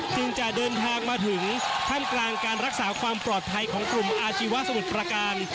จึงจะเดินทางมาถึงท่ามกลางการรักษาความปลอดภัยของกลุ่มอาชีวะสมุทรประการ